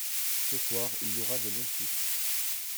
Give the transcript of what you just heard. Ce soir, il y aura des bons chiffres